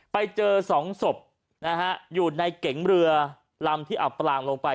ไปเจอสองศพนะฮะอยู่ในเก๋งเรือลำที่อับปลางลงไป